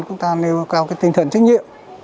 chúng ta nêu cao tinh thần trách nhiệm